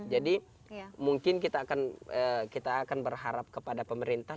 jadi mungkin kita akan berharap kepada pemerintah